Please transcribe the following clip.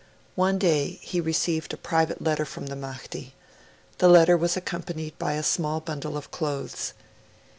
One day, he received a private letter from the Mahdi. The letter was accompanied by a small bundle of clothes.